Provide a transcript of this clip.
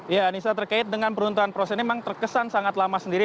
ya anissa terkait dengan peruntuhan proses ini memang terkesan sangat lama sendiri